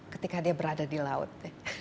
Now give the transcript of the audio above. ketika dia berada di laut